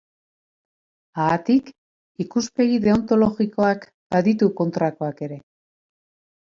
Haatik, ikuspegi deontologikoak baditu kontrakoak ere.